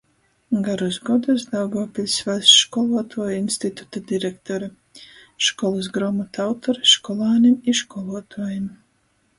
Garus godus Daugovpiļs Vaļsts školuotuoju instituta direktore, školys gruomotu autore školānim i školuotuojim.